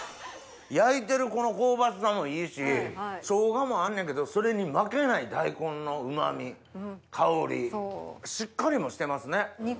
焼いてるこの香ばしさもいいし生姜もあんねんけどそれに負けない大根のうま味香りしっかりもしてますね。